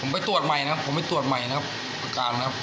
ไปตรวจใหม่นะครับผมไปตรวจใหม่นะครับอาการครับ